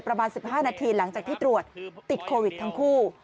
ประมาณ๑๕นาทีหลังจากที่ตรวจติดโควิดทั้งคู่